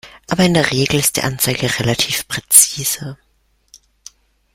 Aber in der Regel ist die Anzeige relativ präzise.